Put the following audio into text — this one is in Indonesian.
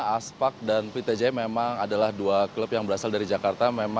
aspak dan prita jaya memang adalah dua klub yang berasal dari jakarta